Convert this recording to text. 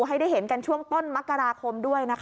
ให้ได้เห็นกันช่วงต้นมกราคมด้วยนะคะ